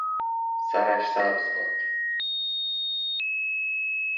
سرش سبز باد!